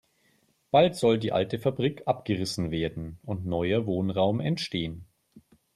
Bald soll die alte Fabrik abgerissen werden und neuer Wohnraum entstehen.